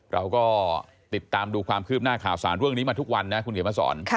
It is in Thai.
เราก็ติดตามดูความคืบหน้าข่าวสารเรื่องนี้มาทุกวันนะคุณเขียนมาสอน